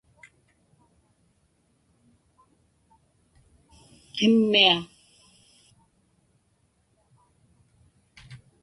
qimmia